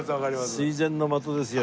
垂涎の的ですよ